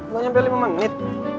gak nyampe lima menit